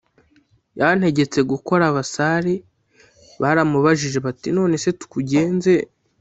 yantegetse gukora Abasare baramubajije bati none se tukugenze